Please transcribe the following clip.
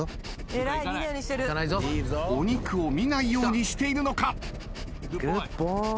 お肉を見ないようにしているのか？